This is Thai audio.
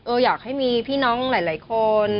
อยากให้มีพี่น้องหลายคน